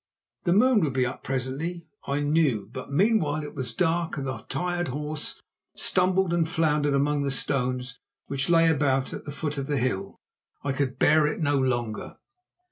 The moon would be up presently, I knew, but meanwhile it was dark and the tired horse stumbled and floundered among the stones which lay about at the foot of the hill. I could bear it no longer.